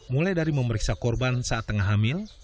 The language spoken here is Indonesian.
mulai dari memeriksa korban saat tengah hamil